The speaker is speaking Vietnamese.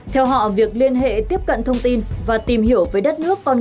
theo họ việc liên hệ tiếp cận thông tin và tìm hiểu về đối tượng của các tổ chức này